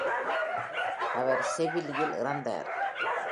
அவர் செவில்லியில் இறந்தார்.